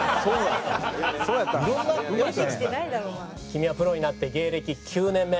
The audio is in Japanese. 君はプロになって芸歴９年目。